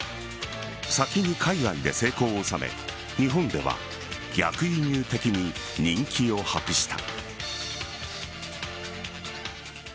先に海外で成功を収め日本では逆輸入的に人気を博した。